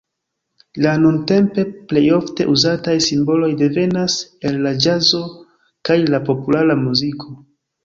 La nuntempe plejofte uzataj simboloj devenas el la ĵazo kaj la populara muziko.